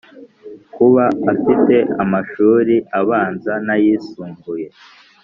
kuba afite amashuli abanza n’ayisumbuye